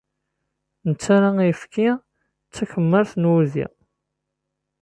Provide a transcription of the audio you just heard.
Nettarra ayefki d takemmart d wudi.